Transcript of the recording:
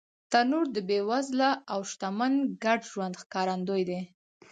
تنور د بېوزله او شتمن ګډ ژوند ښکارندوی دی